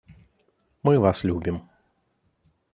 Мы Вас любим.